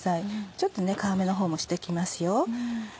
ちょっと皮目のほうもして行きますよ。